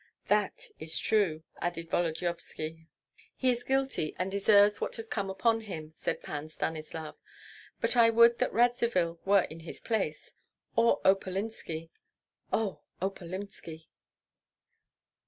"That is true!" added Volodyovski. "He is guilty and deserves what has come upon him," said Pan Stanislav; "but I would that Radzivill were in his place, or Opalinski oh, Opalinski!"